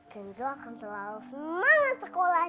janji akan terlalu semangat sekolahnya